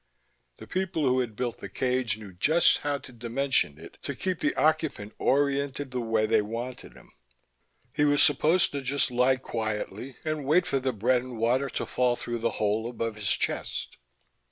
The people who had built the cage knew just how to dimension it to keep the occupant oriented the way they wanted him. He was supposed to just lie quietly and wait for the bread and water to fall through the hole above his chest.